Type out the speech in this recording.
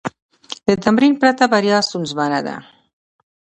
د تمرین پرته، بریا ستونزمنه ده.